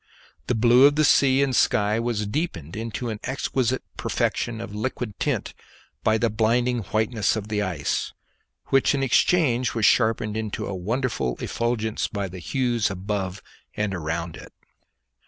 The blue of the sea and sky was deepened into an exquisite perfection of liquid tint by the blinding whiteness of the ice, which in exchange was sharpened into a wonderful effulgence by the hues above and around it.